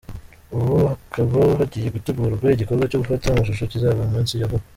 Ubu hakaba hagiye gutegurwa igikorwa cyo gufata amashusho kizaba mu minsi ya vuba.